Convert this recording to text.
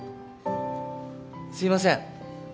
すいません。